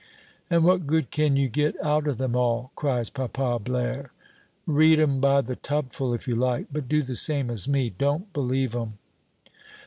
"And what good can you get out of them all?" cries Papa Blaire. "Read 'em by the tubful if you like, but do the same as me don't believe 'em!"